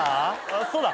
そうだ。